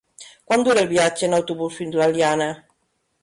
Quant dura el viatge en autobús fins a l'Eliana?